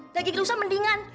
daging rusanya mendingan